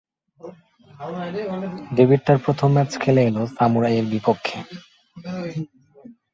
Debit তার প্রথম match খেলে এল সামুরাই এর বিপক্ষে।